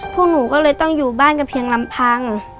พวกหนูก็เลยต้องอยู่บ้านกันเพียงลำพัง